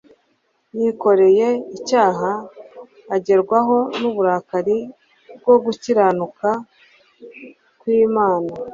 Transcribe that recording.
Yikoreye icyaha, agerwaho n'uburakari bwo Gukiranuka kw'Imana;